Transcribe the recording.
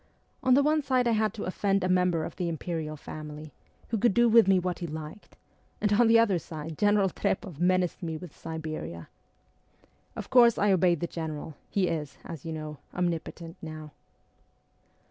' On the one side I had to offend a member of the Imperial Family, who could do with me what he liked, and on the other side General Trpoff menaced me with Siberia ! Of course I obeyed the General ; he is, as you know, omnipotent now.'